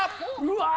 うわ！